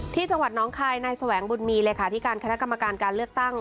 ที่จังหวัดน้องคายนายแสวงบุญมีเลขาธิการคณะกรรมการการเลือกตั้ง